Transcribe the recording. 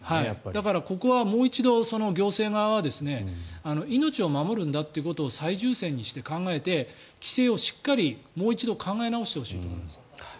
だから、ここはもう一度行政側は命を守るんだということを最優先にして考えて規制をしっかりもう一度考え直してほしいと思います。